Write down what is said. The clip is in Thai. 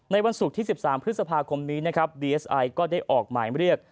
วันศุกร์ที่๑๓พฤษภาคมนี้นะครับดีเอสไอก็ได้ออกหมายเรียก